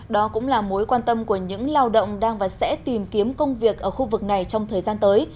đó cũng là mối quan tâm của những lao động đang và sẽ tìm kiếm công việc ở khu vực này trong thời gian tới